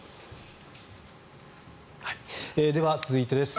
では、続いてです。